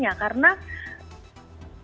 mereka juga harus melindungi dirinya karena